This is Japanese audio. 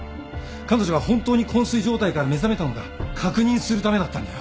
彼女が本当に昏睡状態から目覚めたのか確認するためだったんだよ。